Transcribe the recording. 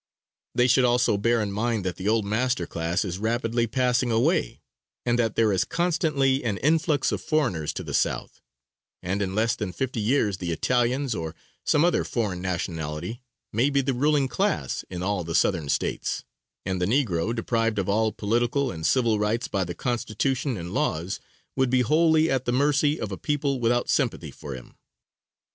They should also bear in mind that the old master class is rapidly passing way, and that there is constantly an influx of foreigners to the South, and in less than fifty years the Italians, or some other foreign nationality, may be the ruling class in all the Southern States; and the negro, deprived of all political and civil rights by the Constitution and laws, would be wholly at the mercy of a people without sympathy for him.